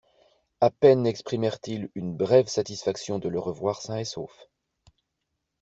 A peine exprimèrent-ils une brève satisfaction de le revoir sain et sauf.